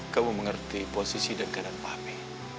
kamu mengerti posisi dan keadaan pahmi